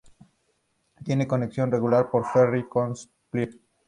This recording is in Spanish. Tiene conexión regular por ferry con Split.